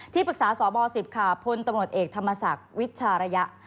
ปรึกษาสบ๑๐ค่ะพลตำรวจเอกธรรมศักดิ์วิชาระยะ